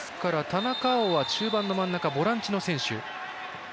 田中碧は中盤の真ん中ボランチの選手。